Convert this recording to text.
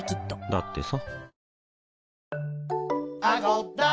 だってさ